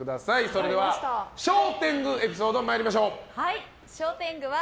それでは、小天狗エピソード参りましょう。